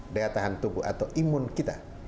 daya tahan tubuh atau imun kita